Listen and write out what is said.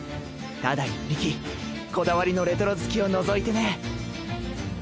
ただ１匹こだわりのレトロ好きを除いてね。